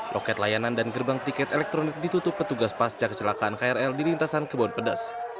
loket layanan dan gerbang tiket elektronik ditutup petugas pasca kecelakaan krl di lintasan kebon pedas